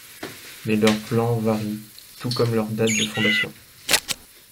Mais leurs plans varient, tout comme leurs dates de fondation.